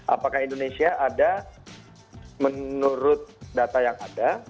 apakah indonesia ada menurut data yang ada